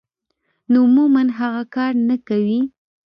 نو عموماً هغه کار نۀ کوي -